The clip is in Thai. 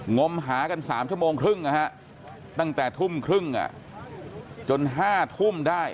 มหากัน๓ชั่วโมงครึ่งตั้งแต่ทุ่มครึ่งจน๕ทุ่มได้